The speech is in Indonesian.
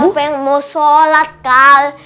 siapa yang mau solat kal